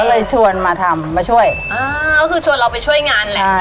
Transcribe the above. ก็เลยชวนมาทำมาช่วยอ่าก็คือชวนเราไปช่วยงานแหละ